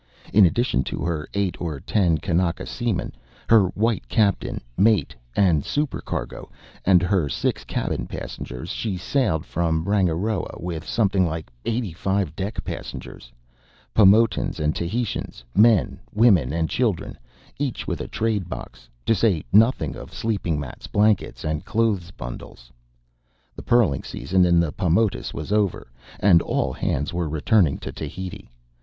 In addition to her eight or ten kanaka seamen, her white captain, mate, and supercargo, and her six cabin passengers, she sailed from Rangiroa with something like eighty five deck passengers Paumotans and Tahitians, men, women, and children each with a trade box, to say nothing of sleeping mats, blankets, and clothes bundles. The pearling season in the Paumotus was over, and all hands were returning to Tahiti.